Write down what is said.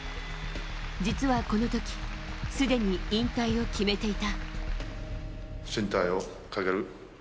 実は、この時すでに引退を決めていた。